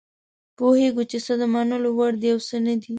پوهیږو چې څه د منلو وړ دي او څه نه دي.